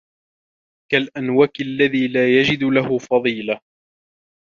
كَالْأَنْوَكِ الَّذِي لَا يَجِدُ لَهُ فَضِيلَةً